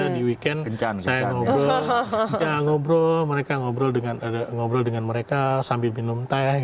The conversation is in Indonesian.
di weekend saya ngobrol ya ngobrol mereka ngobrol dengan ngobrol dengan mereka sambil minum teh gitu ya